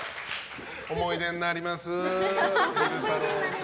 思い出になります。